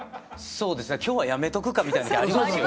そうですね今日はやめとくかみたいな日ありますよ